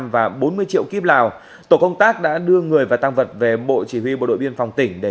và bốn mươi triệu kíp lào tổ công tác đã đưa người và tăng vật về bộ chỉ huy bộ đội biên phòng tỉnh để